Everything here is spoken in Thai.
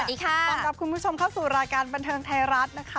สวัสดีค่ะต้อนรับคุณผู้ชมเข้าสู่รายการบันเทิงไทยรัฐนะคะ